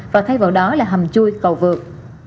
và thay vào đó là hầm chui cầu vượt